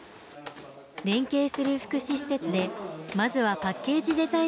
連携する福祉施設でまずはパッケージデザインの打ち合わせです。